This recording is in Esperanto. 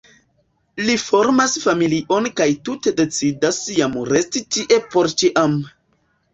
Li formas familion kaj tute decidas jam resti tie porĉiame.